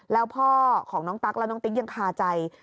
แล้วพ่อของน้องตั๊กและน้องติ๊กยังคาใจ